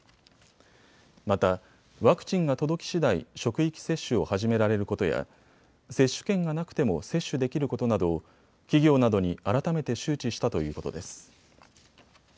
またワクチンが届きしだい職域接種を始められることや接種券がなくても接種できることなどを企業などに改めて周知したということです。